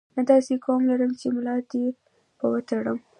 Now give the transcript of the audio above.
نه داسې قوم لرم چې ملا دې په وتړم.